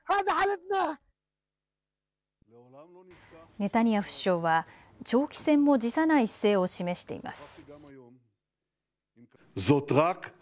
ネタニヤフ首相は長期戦も辞さない姿勢を示しています。